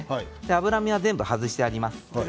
脂身は全部、外してあります。